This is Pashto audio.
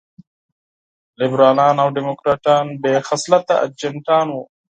لېبرالان او ډيموکراټان بې خصلته اجنټان وو.